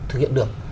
thực hiện được